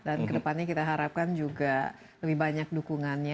dan kedepannya kita harapkan juga lebih banyak dukungannya